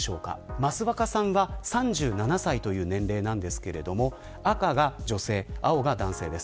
益若さんは３７歳という年齢ですが赤が女性、青が男性です。